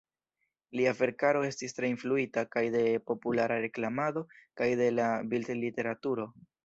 Lia verkaro estis tre influita kaj de populara reklamado kaj de la bildliteraturo.